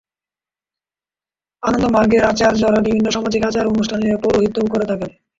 আনন্দমার্গের আচার্যরা বিভিন্ন সামাজিক আচার-অনুষ্ঠানে পৌরোহিত্যও করে থাকেন।